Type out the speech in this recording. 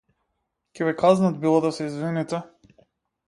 Ќе ве казнат било да се извините.